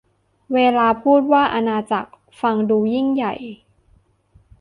เวลาพูดว่าอาณาจักร ฟังดูยิ่งใหญ่มาก